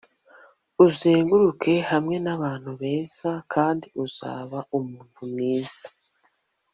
uzenguruke hamwe n'abantu beza kandi uzaba umuntu mwiza. - kellie pickler